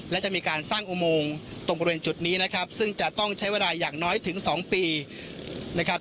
และจะมีการสร้างอุโมงตรงบริเวณจุดนี้นะครับซึ่งจะต้องใช้เวลาอย่างน้อยถึง๒ปีนะครับ